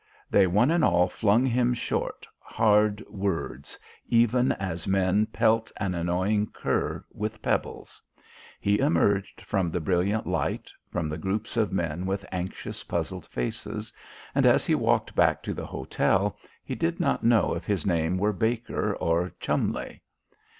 They one and all flung him short, hard words, even as men pelt an annoying cur with pebbles. He emerged from the brilliant light, from the groups of men with anxious, puzzled faces, and as he walked back to the hotel he did not know if his name were Baker or Cholmondeley.